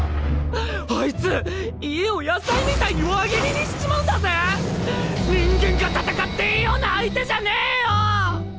あいつ家を野菜みたいに輪切りにしちまうんだぜ⁉人間が戦っていいような相手じゃねえよ‼